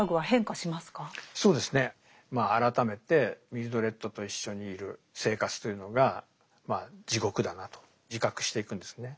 まあ改めてミルドレッドと一緒にいる生活というのが地獄だなと自覚していくんですね。